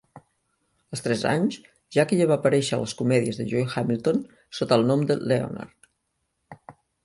Als tres anys, Jackie va aparèixer a les comèdies de Lloyd Hamilton sota el nom de "Leonard".